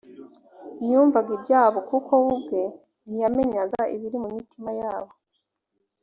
ntiyumvaga ibyabo kuko we ubwe ntiyamenyaga ibiri mu mitima y’abantu